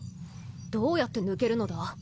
どうやって抜けるのだ？